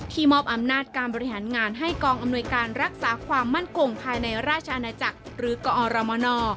มอบอำนาจการบริหารงานให้กองอำนวยการรักษาความมั่นคงภายในราชอาณาจักรหรือกอรมน